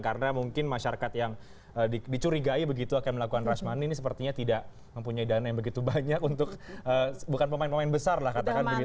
karena mungkin masyarakat yang dicurigai begitu akan melakukan rush money ini sepertinya tidak mempunyai dana yang begitu banyak untuk bukan pemain pemain besar lah katakan begitu ya